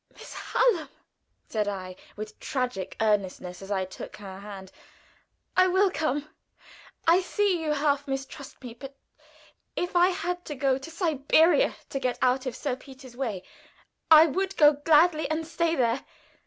"Miss Hallam," said I, with tragic earnestness, as I took her hand, "I will come. I see you half mistrust me; but if I had to go to Siberia to get out of Sir Peter's way, I would go gladly and stay there.